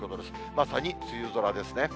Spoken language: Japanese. まさに梅雨空ですね。